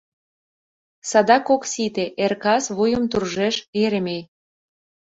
«Садак ок сите! — эр-кас вуйым туржеш Еремей.